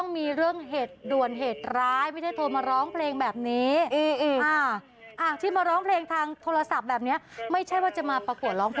ไม่ใช่แต่เขาก็ไม่ได้พูดหยาบใคร